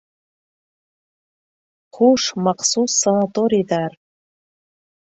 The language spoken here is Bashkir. Хуш, махсус санаторийҙар!